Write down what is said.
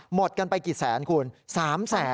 หมดกันไปกี่แสนคุณสามแสน